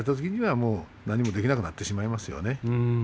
そして何もできなくなってしまいますよ。